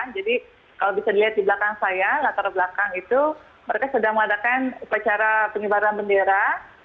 jadi kalau bisa dilihat di belakang saya latar belakang itu mereka sedang mengadakan acara penyebaran bendera